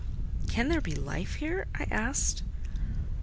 "Can there be life here?" I asked.